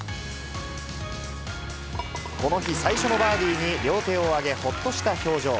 この日、最初のバーディーに、両手を挙げ、ほっとした表情。